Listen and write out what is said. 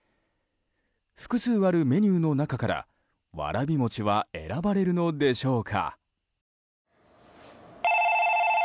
複数あるメニューの中からわらび餅は選ばれるのでしょうか。